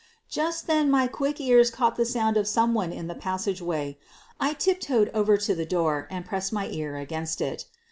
Just then my quick ears caught the sound of some 1 one in the passageway. I tiptoed over to the door and pressed my ear against it.